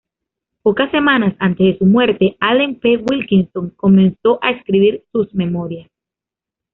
Pocas semanas antes de su muerte, Allen P. Wilkinson comenzó a escribir sus memorias.